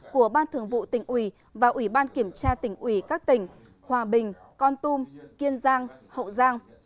của ban thường vụ tỉnh ủy và ủy ban kiểm tra tỉnh ủy các tỉnh hòa bình con tum kiên giang hậu giang